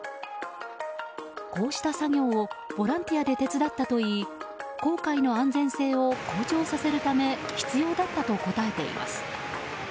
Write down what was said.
こうした作業をボランティアで手伝ったといい航海の安全性を向上させるため必要だったと答えています。